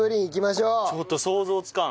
ちょっと想像つかん。